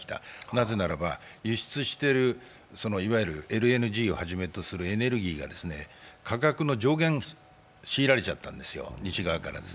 なぜならば、輸出している、いわゆるＬＮＧをはじめとするエネルギーが、価格の上限を強いられちゃったんですよ、西側から。